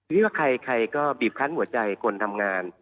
คิดว่าใครก็บีบคั้นหัวใจคนทำงาน